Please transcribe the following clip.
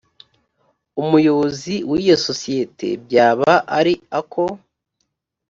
umuyobozi w iyo sosiyete byaba ari ako